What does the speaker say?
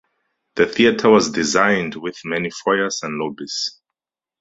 The theatre was designed with many foyers and lobbies.